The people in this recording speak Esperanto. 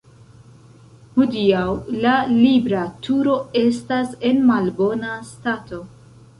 Hodiaŭ la Libra Turo estas en malbona stato.